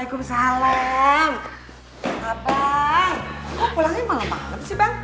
kok pulangnya malam malam sih bang